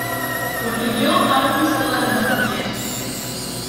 porque yo hago pis todas las noches.